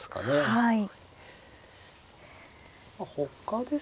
はい。